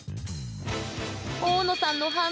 大野さんの反応は？